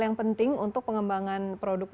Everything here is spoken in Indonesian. yang penting untuk pengembangan produk